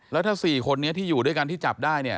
แล้วถ้า๔คนนี้ที่อยู่ด้วยกันที่จับได้เนี่ย